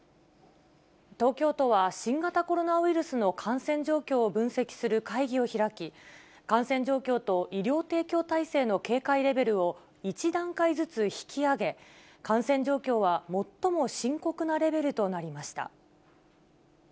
東京都は、新型コロナウイルスの感染状況を分析する会議を開き、感染状況と医療提供体制の警戒レベルを１段階ずつ引き上げ、感染状況は最も深刻なレベルとなりました。